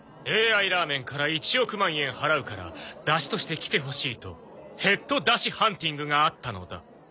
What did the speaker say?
ＡＩラーメンから１億万円払うから出汁として来てほしいとヘッド出汁ハンティングがあったのだ。